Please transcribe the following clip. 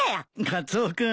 カツオ君。